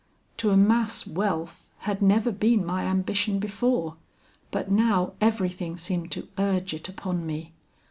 To amass wealth had never been my ambition before, but now everything seemed to urge it upon me.